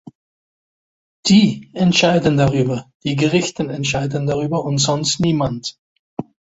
Die entscheiden darüber, die Gerichte entscheiden darüber und sonst niemand!